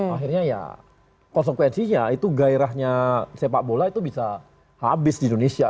akhirnya ya konsekuensinya itu gairahnya sepak bola itu bisa habis di indonesia